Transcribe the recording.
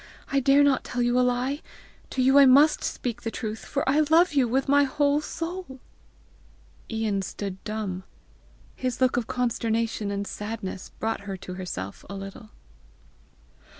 I dare not tell you a lie. To you I MUST speak the truth, for I love you with my whole soul." Ian stood dumb. His look of consternation and sadness brought her to herself a little.